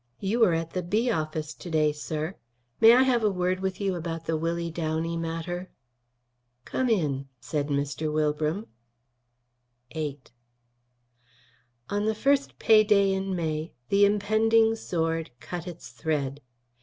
You were at the Bee office to day, sir. May I have a word with you about the Willie Downey matter?" "Come in," said Mr. Wilbram. VIII On the first pay day in May the impending sword cut its thread.